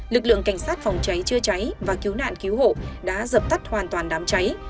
lực lượng cảnh sát phòng cháy chữa cháy và cứu nạn cứu hộ đã dập tắt hoàn toàn đám cháy